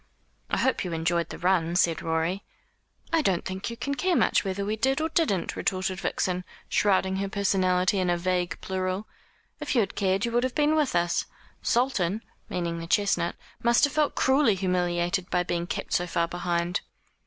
"I hope you enjoyed the run," said Rorie. "I don't think you can care much whether we did or didn't," retorted Vixen, shrouding her personality in a vague plural. "If you had cared you would have been with us. Sultan," meaning the chestnut "must have felt cruelly humiliated by being kept so far behind."